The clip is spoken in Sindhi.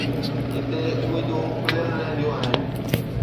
جتي اميدون کليل رهنديون آهن.